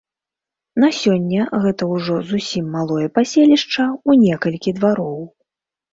На сёння гэта ўжо зусім малое паселішча ў некалькі двароў.